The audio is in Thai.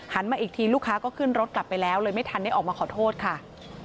มาอีกทีลูกค้าก็ขึ้นรถกลับไปแล้วเลยไม่ทันได้ออกมาขอโทษค่ะ